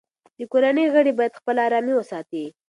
د کورنۍ غړي باید خپله ارامي وساتي.